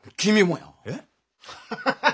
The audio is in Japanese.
ハハハハッ！